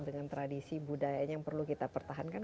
dengan tradisi budayanya yang perlu kita pertahankan